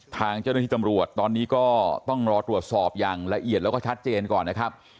ทางเจ้าหน้าที่ตำรวจตอนนี้ก็ต้องรอตรวจสอบอย่างละเอียดแล้วก็ชัดเจนก่อนนะครับ